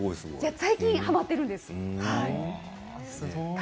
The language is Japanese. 最近はまっているんです。